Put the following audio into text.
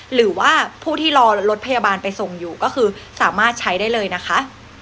หรือว่าผู้ที่รอรถพยาบาลไปส่งอยู่ก็คือสามารถใช้ได้เลยนะคะ